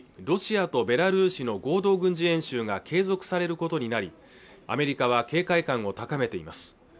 ロシアとベラルーシの合同軍事演習が継続されることになりアメリカは警戒感を高めています